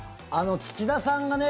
土田さんがね